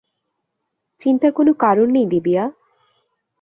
চিন্তার কোনো কারণ নেই, দিবিয়া।